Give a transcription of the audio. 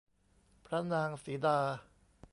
พระนางสีดา